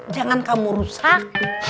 jangan kamu rusak